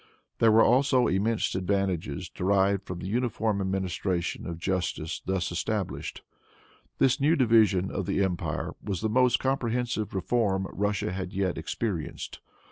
There were also immense advantages derived from the uniform administration of justice thus established. This new division of the empire was the most comprehensive reform Russia had yet experienced.